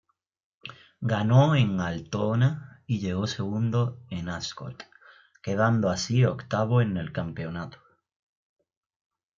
Ganó en Altoona y llegó segundo en Ascot, quedando así octavo en el campeonato.